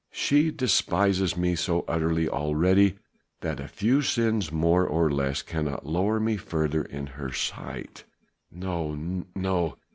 She despises me so utterly already that a few sins more or less cannot lower me further in her sight." "No! no!